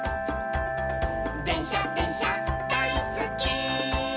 「でんしゃでんしゃだいすっき」